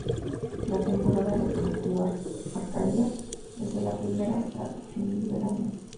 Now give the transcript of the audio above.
La temporada reproductiva abarcaría desde la primavera hasta el fin del verano.